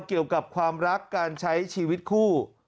เกี่ยวกับความรักการใช้ชีวิตคู่